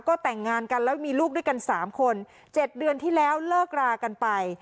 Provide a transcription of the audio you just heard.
ก็แต่งงานกันแล้วมีลูกด้วยกัน๓คน๗เดือนที่แล้วเลิกรากันไป